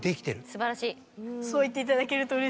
素晴らしい。